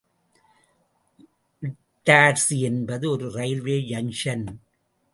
இட்டார்சி என்பது ஒரு railway junction.